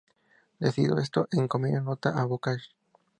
Decidido esto, se envió una nota a Boca Jrs.